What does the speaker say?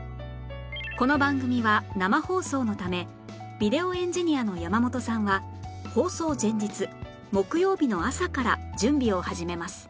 この番組は生放送のためビデオエンジニアの山本さんは放送前日木曜日の朝から準備を始めます